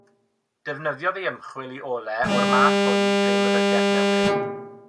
Defnyddiodd ei ymchwil i olau o'r math hwn i greu meddygaeth newydd.